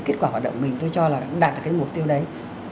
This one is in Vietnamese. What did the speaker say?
kết quả hoạt động của mình tôi cho là đạt được cái mục tiêu đấy